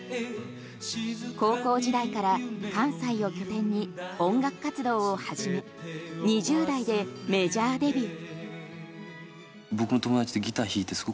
高校時代から関西を拠点に音楽活動を始め２０代でメジャーデビュー。